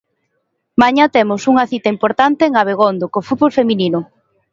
Mañá temos unha cita importante en Abegondo co fútbol feminino.